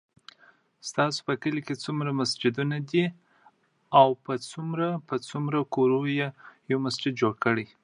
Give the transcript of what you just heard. ستاسو په کلی کی څوموره مسجدونه دی او په څوموره په څوموره کور یی یومسجد جوړ کړی دی